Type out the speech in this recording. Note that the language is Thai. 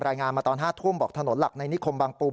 รายงานมาตอน๕ทุ่มบอกถนนหลักในนิคมบางปู